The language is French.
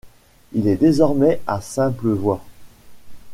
Il est désormais à simple voie.